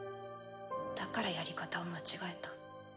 だからやり方を間違えた。